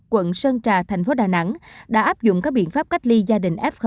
quận sơn trà thành phố đà nẵng đã áp dụng các biện pháp cách ly gia đình f một